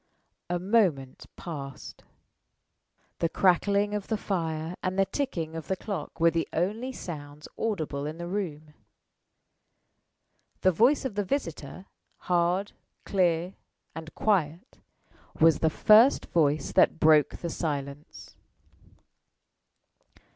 A moment passed. The crackling of the fire and the ticking of the clock were the only sounds audible in the room. The voice of the visitor hard, clear, and quiet was the first voice that broke the silence.